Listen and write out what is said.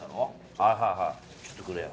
はいはいはい、ちょっとくれよ。